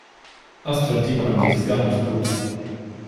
Astrid Diekmann geht es gar nicht gut.